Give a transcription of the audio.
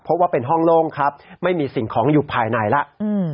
เพราะว่าเป็นห้องโล่งครับไม่มีสิ่งของอยู่ภายในแล้ว